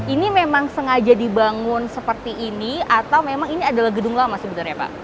ini memang sengaja dibangun seperti ini atau memang ini adalah gedung lama sebenarnya pak